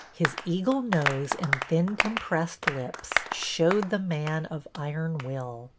His eagle nose and thin compressed lips showed the man of iron will.